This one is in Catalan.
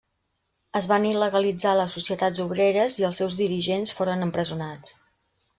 Es van il·legalitzar les societats obreres i els seus dirigents foren empresonats.